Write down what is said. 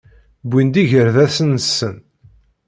Wwin-d igerdasen-nsen.